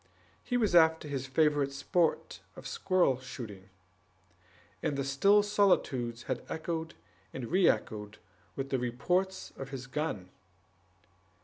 He was after his favorite sport of squirrel shooting, and the still solitudes had echoed and re echoed with the reports of his gun.